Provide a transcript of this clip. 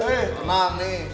eh tenang nek